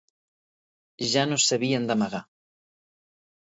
Ja no s’havien d’amagar.